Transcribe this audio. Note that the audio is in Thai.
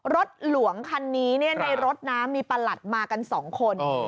รถหลวงคันนี้ในรถนะมีประหลัดมากัน๒คน